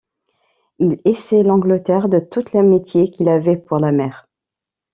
Il haïssait l’Angleterre de toute l’amitié qu’il avait pour la mer.